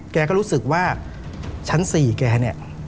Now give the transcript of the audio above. แกก็รู้สึกว่าชั้น๔แกเนี่ย